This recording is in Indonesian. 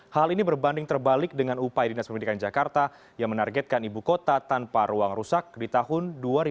hal ini berbanding terbalik dengan upaya dinas pendidikan jakarta yang menargetkan ibu kota tanpa ruang rusak di tahun dua ribu dua puluh